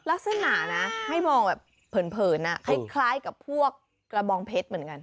ลักษณะนะให้มองแบบเผินคล้ายกับพวกกระบองเพชรเหมือนกัน